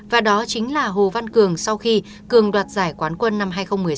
và đó chính là hồ văn cường sau khi cường đoạt giải quán quân năm hai nghìn một mươi sáu